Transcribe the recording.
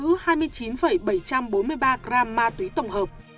cơ quan công an thu giữ một trăm bốn mươi ba gram ma túy tổng hợp